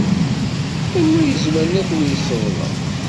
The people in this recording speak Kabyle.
Anwa i izemren ad ten-yesseḍlem?